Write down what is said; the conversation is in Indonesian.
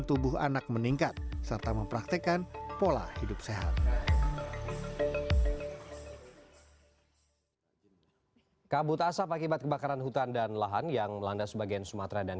yang indikasi untuk rawat inap biasanya pasien pasien dengan sesak nafas